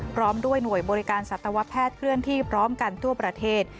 พร้อมด้วยหน่วยบริการสัตวแพทย์เคลื่อนที่พร้อมกันทั่วประเทศ